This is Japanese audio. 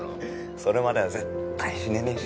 それまでは絶対死ねねえし